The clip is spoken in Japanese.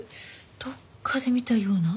どっかで見たような。